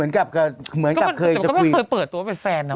คือเหมือนกับเคยจะคุยแต่มันก็ไม่เคยเปิดตัวว่าเป็นแฟนนะ